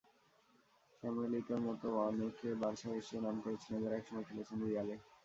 Samuel ইতোর মতোও অনেকে বার্সায় এসে নাম করেছিলেন, যাঁরা একসময় খেলেছেন রিয়ালে।